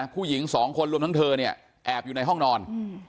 ผู้หญิง๒คนรวมทั้งเธอแอบอยู่ในห้องนอน